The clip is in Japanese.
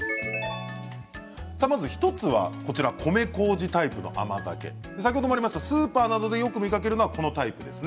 １つは米こうじタイプの甘酒先ほどもありましたスーパーなどでよく見かけるのはこのタイプです。